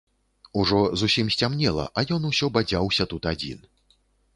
Ужо зусім сцямнела, а ён усё бадзяўся тут адзін.